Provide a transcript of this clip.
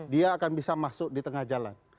dia akan bisa masuk di tengah jalan